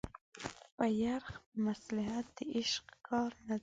په يرغ په مصلحت د عشق کار نه دی